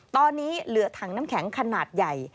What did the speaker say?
ตอนนี้เหลือถังน้ำแข็งขนาดใหญ่